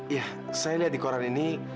ya saya lihat di koran ini